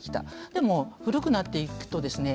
でも古くなっていくとですね